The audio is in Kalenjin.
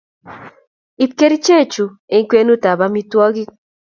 Ip kerichek chu eng kwenut ab amitwogik